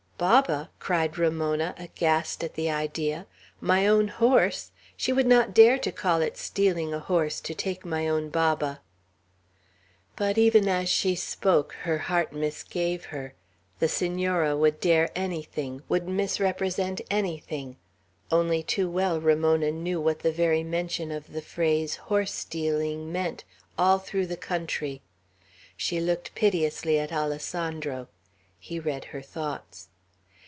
"Baba!" cried Ramona, aghast at the idea. "My own horse! She would not dare to call it stealing a horse, to take my own Baba!" But even as she spoke, her heart misgave her. The Senora would dare anything; would misrepresent anything; only too well Ramona knew what the very mention of the phrase "horse stealing" meant all through the country. She looked piteously at Alessandro. He read her thoughts.